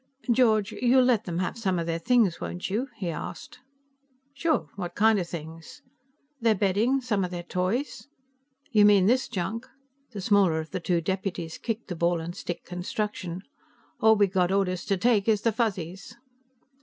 "George, you'll let them have some of their things, won't you?" he asked. "Sure. What kind of things?" "Their bedding. Some of their toys." "You mean this junk?" The smaller of the two deputies kicked the ball and stick construction. "All we got orders to take is the Fuzzies."